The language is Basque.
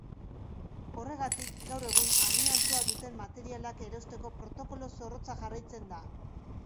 Horregatik, gaur egun, amiantoa duten materialak erauzteko protokolo zorrotza jarraitzen da.